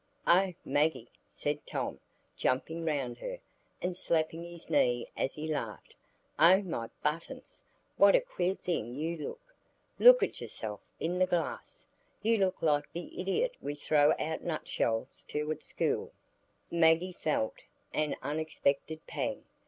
"Oh, Maggie," said Tom, jumping round her, and slapping his knees as he laughed, "Oh, my buttons! what a queer thing you look! Look at yourself in the glass; you look like the idiot we throw out nutshells to at school." Maggie felt an unexpected pang.